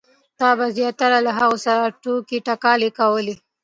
تا به زیاتره له هغو سره ټوکې ټکالې کولې.